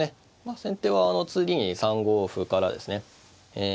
先手は次に３五歩からですねえ